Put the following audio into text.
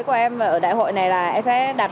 của em ở đại hội này là em sẽ đặt